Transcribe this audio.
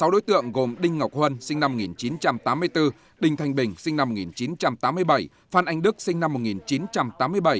sáu đối tượng gồm đinh ngọc huân sinh năm một nghìn chín trăm tám mươi bốn đinh thanh bình sinh năm một nghìn chín trăm tám mươi bảy phan anh đức sinh năm một nghìn chín trăm tám mươi bảy